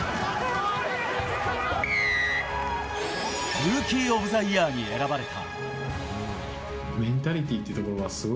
ルーキー・オブ・ザ・イヤーに選ばれた。